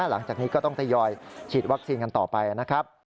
หลังจากนี้ก็ต้องทยอยฉีดวัคซีนกันต่อไปนะครับ